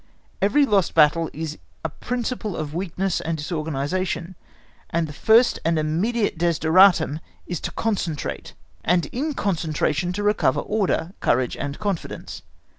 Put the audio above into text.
Every lost battle is a principle of weakness and disorganisation; and the first and immediate desideratum is to concentrate, and in concentration to recover order, courage, and confidence.